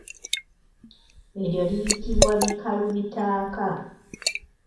Eryo liyitibwa bikalubitaaka.